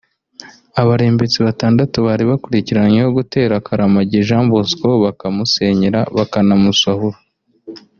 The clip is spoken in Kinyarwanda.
Abarembetsi batandatu bari bakurikiranyweho gutera Karamage Jean Bosco bakamusenyera bakanamusahura